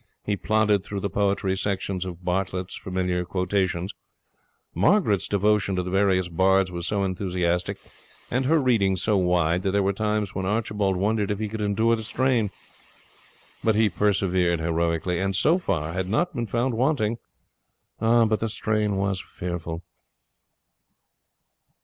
He plodded through the poetry sections of Bartlett's Familiar Quotations. Margaret's devotion to the various bards was so enthusiastic, and her reading so wide, that there were times when Archibald wondered if he could endure the strain. But he persevered heroically, and so far had not been found wanting. But the strain was fearful.